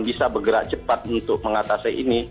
bisa bergerak cepat untuk mengatasi ini